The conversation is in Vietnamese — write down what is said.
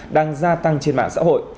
đang gia tăng trên mạng xã hội